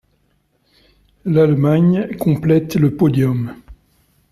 L'Allemagne complète le podium.